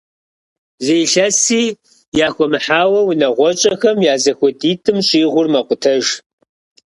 Зы илъэси яхуэмыхьауэ, унагъуэщӀэхэм я зэхуэдитӀым щӀигъур мэкъутэж.